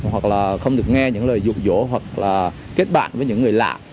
hoặc là không được nghe những lời dụ dỗ hoặc là kết bạn với những người lạ